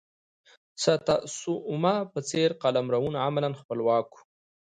د ساتسوما په څېر قلمرونه عملا خپلواک وو.